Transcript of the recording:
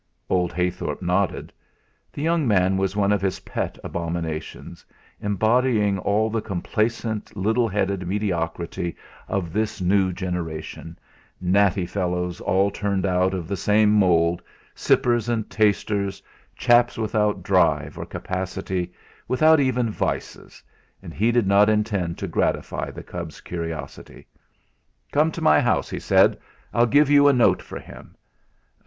Old Heythorp nodded. The young man was one of his pet abominations, embodying all the complacent, little headed mediocrity of this new generation; natty fellows all turned out of the same mould, sippers and tasters, chaps without drive or capacity, without even vices; and he did not intend to gratify the cub's curiosity. "Come to my house," he said; "I'll give you a note for him."